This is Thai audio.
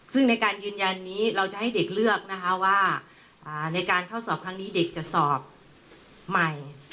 ซึ่งในการยืนยันนี้เราจะให้เด็กเลือกนะคะว่าในการเข้าสอบครั้งนี้เด็กจะสอบใหม่